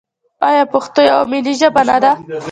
آیا پښتو یوه ملي ژبه نه ده؟